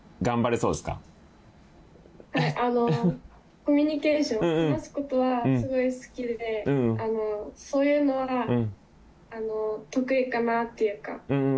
「あのコミュニケーション話すことはすごく好きでそういうのはあの得意かなっていうか」